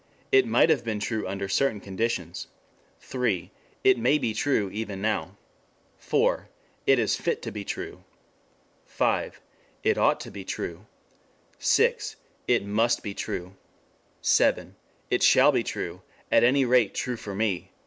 It might have been true under certain conditions; 3. It may be true even now; 4. It is fit to be true; 5. It ought to be true; 6. It must be true; 7. It shall be true, at any rate true for me."